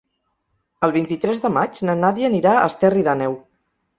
El vint-i-tres de maig na Nàdia anirà a Esterri d'Àneu.